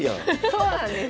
そうなんです。